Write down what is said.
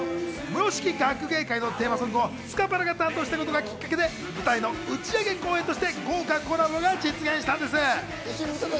『ｍｕｒｏ式．がくげいかい』のテーマソングをスカパラが担当したことがきっかけで舞台の打ち上げ公演として豪華コラボが実現したんです。